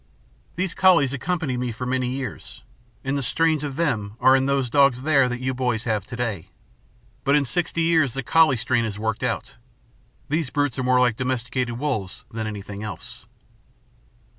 These collies accompanied me for many years, and the strains of them are in those very dogs there that you boys have to day. But in sixty years the collie strain has worked out. These brutes are more like domesticated wolves than anything else."